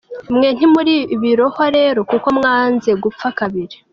Mwe ntimuri ibirohwa rero kuko mwanze gupfa kabiri.